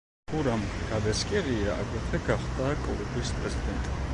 გურამ გაბესკირია აგრეთვე გახდა კლუბის პრეზიდენტი.